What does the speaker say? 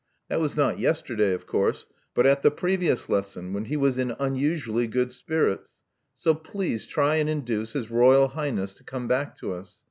That was not yesterday, of course, but at the previous lesson, when he was in unusually good spirits. So please try and induce his royal highness to come back to us.